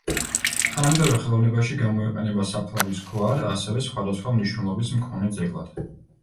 თანამედროვე ხელოვნებაში გამოიყენება საფლავის ქვად, ასევე სხვადასხვა მნიშვნელობის მქონე ძეგლად.